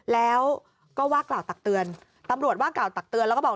แล้วก็ว่ากล่าวตักเตือนตำรวจว่ากล่าวตักเตือนแล้วก็บอก